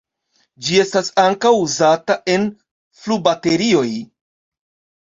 Ĝi estas ankaŭ uzata en flubaterioj.